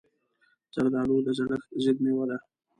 زردالو د زړښت ضد مېوه ده.